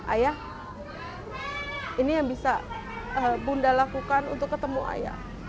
ayah ini yang bisa bunda lakukan untuk ketemu ayah